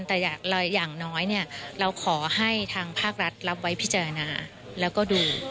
แต่อย่างน้อยเนี่ยเราขอให้ทางภาครัฐรับไว้พิจารณาแล้วก็ดู